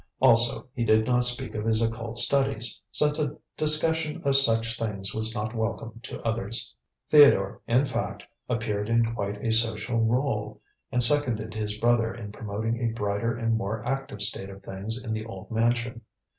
Also, he did not speak of his occult studies, since a discussion of such things was not welcome to others. Theodore, in fact, appeared in quite a social rôle, and seconded his brother in promoting a brighter and more active state of things in the old mansion.